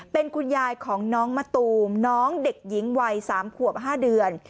เป็นคุณยายของน้องมะตูมน้องเด็กหญิงวัย๓ขวบ๕เดือน